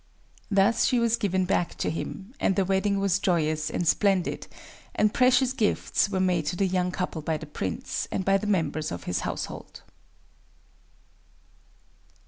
Thus was she given back to him;—and the wedding was joyous and splendid;—and precious gifts were made to the young couple by the prince, and by the members of his household.